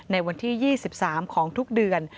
ในวันที่๒๓ของทุกเดือน